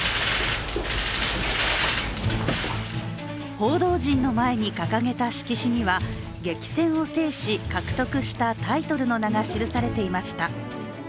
報道陣の前に掲げた色紙には激戦を制し、獲得したタイトルの名が記されていました。